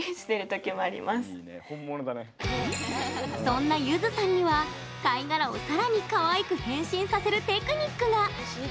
そんなゆずさんには貝殻をさらにかわいく変身させるテクニックが。